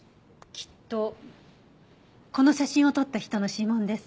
きっとこの写真を撮った人の指紋です。